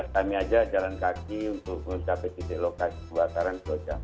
kita jalan kaki untuk mencapai titik lokasi kebakaran